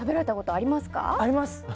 あります。